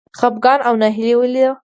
خپګان او ناهیلي ولې وه.